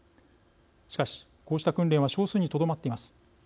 しかし、こうした訓練は少数にとどまっています。